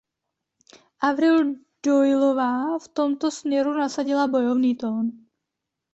Avril Doyleová v tomto směru nasadila bojovný tón.